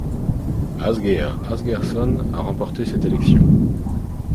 Ásgeir Ásgeirsson a remporté cette élection.